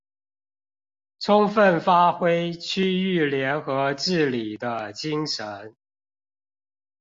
充分發揮區域聯合治理的精神